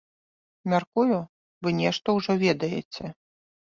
Мяркую, вы нешта ўжо ведаеце.